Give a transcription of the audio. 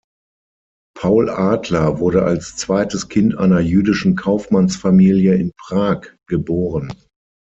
Paul Adler wurde als zweites Kind einer jüdischen Kaufmannsfamilie in Prag geboren.